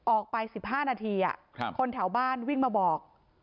ออกไป๑๕นาทีคนแถวบ้านวิ่งมาบอก